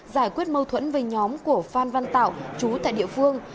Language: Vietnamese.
giải quyết mâu thuẫn về nhóm của phan văn tạo trú tại địa phương